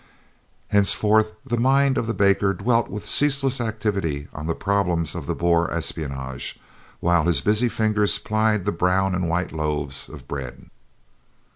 Henceforth the mind of the baker dwelt with ceaseless activity on the problems of the Boer espionage, while his busy fingers plied the brown and white loaves of bread.